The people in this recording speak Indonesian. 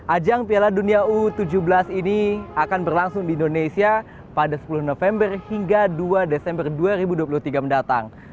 ajang piala dunia u tujuh belas ini akan berlangsung di indonesia pada sepuluh november hingga dua desember dua ribu dua puluh tiga mendatang